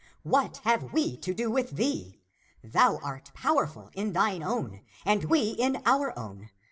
What have we to do with thee? Thou art powerful in thine own, and we in our own.